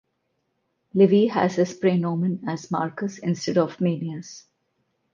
Livy has his praenomen as Marcus instead of Manius.